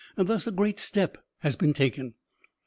Thus a great step has been taken.